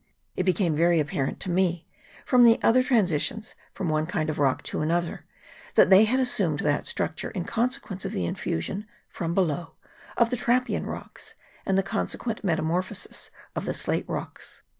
It became very apparent to me, from the various transitions from one kind of rock to another, that they had assumed that structure in consequence of the infusion from below of the trappean rocks, and the consequent metamorphosis of the slate rocks.